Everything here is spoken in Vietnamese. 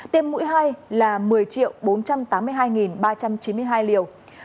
tiêm mũi hai là một mươi bốn trăm tám mươi hai ba trăm chín mươi hai liều